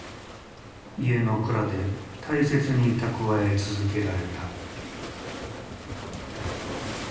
家の蔵で大切に蓄え続けられた。